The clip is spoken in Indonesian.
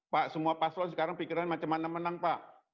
pak semua paslon sekarang pikiran macam mana menang pak